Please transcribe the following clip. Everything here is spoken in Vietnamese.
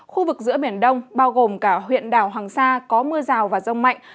khu vực giữa biển đông bao gồm cả huyện đảo hoàng sa có mưa rào và rông mạnh